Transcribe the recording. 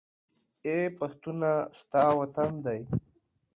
اې پښتونه! ستا وطن دى